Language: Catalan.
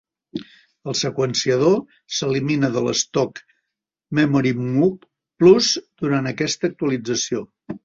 El seqüenciador s'elimina de l'estoc Memorymoog Plus durant aquesta actualització.